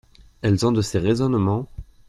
Elles ont de ces raisonnements !